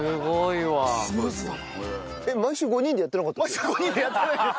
毎週５人でやってないです！